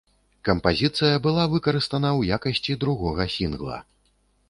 Кампазіцыя была выкарыстана ў якасці другога сінгла.